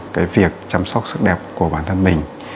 cái việc chăm sóc sức đẹp của bản thân mình